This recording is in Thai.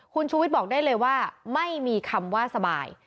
คุณชูวิทย์บอกได้เลยว่าไม่มีคำว่าสบาย